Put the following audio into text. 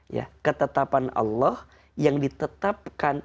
ya ketetapan allah yang ditetapkan